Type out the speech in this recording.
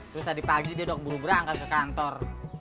terus tadi pagi dia dok buru buru angka ke kantor